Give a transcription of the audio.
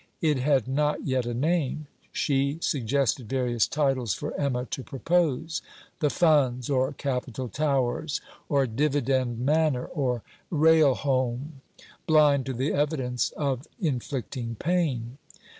It had not yet a name. She suggested various titles for Emma to propose: 'The Funds'; or 'Capital Towers'; or 'Dividend Manor'; or 'Railholm'; blind to the evidence of inflicting pain.